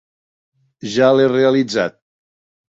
Ja l'he realitzat.